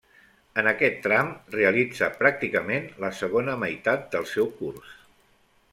En aquest tram realitza pràcticament la segona meitat del seu curs.